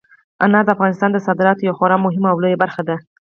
انار د افغانستان د صادراتو یوه خورا مهمه او لویه برخه ده.